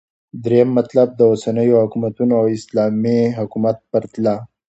دريم مطلب - داوسنيو حكومتونو او اسلامې حكومت پرتله